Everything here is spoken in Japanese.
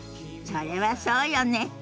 それはそうよね。